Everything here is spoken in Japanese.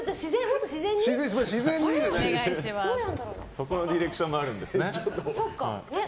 そこはディレクションがあるんですね。